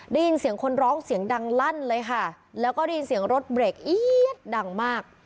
ได้ยินเสียงคนร้องเสียงดังลั่นเลยค่ะแล้วก็ได้ยินเสียงรถเบรกเอี๊ยดดังมาก